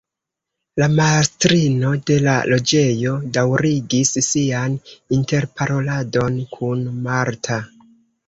La mastrino de la loĝejo daŭrigis sian interparoladon kun Marta.